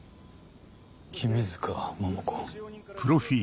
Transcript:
君塚桃子。